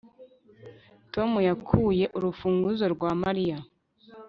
Tom yakuye urufunguzo rwa Mariya